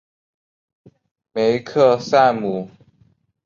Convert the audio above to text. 梅克赛姆。